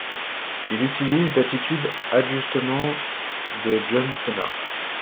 Il utilise l'Attitude Adjustement de John Cena.